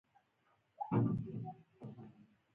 د الوتکې په منځۍ برخه کې چوکۍ راکړل شوې وه.